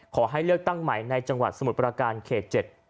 ขอให้เลือกตั้งใหม่ในจังหวัดสมุทรประการเขต๗